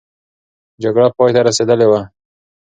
جګړه پای ته رسېدلې وه.